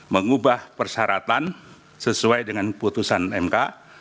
mengubah persyaratan sesuai dengan putusan mk